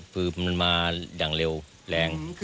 คือมันมาอย่างเร็วแรง